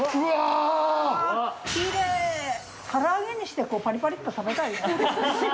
から揚げにしてパリパリッと食べたいな。